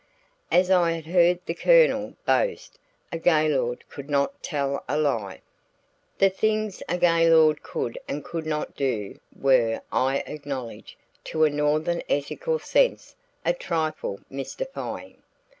As I had heard the Colonel boast, a Gaylord could not tell a lie. The things a Gaylord could and could not do, were, I acknowledge, to a Northern ethical sense a trifle mystifying.